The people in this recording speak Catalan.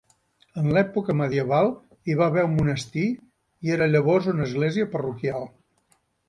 En l'època medieval hi va haver un monestir i era llavors una església parroquial.